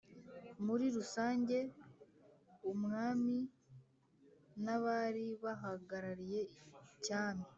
muri rusange:– umwami n' abari bahagarariye cyami